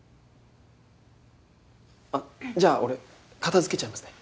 あっじゃあ俺片付けちゃいますね。